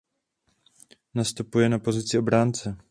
Nastupuje na pozici obránce.